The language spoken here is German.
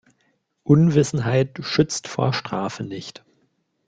Unwissenheit schützt vor Strafe nicht.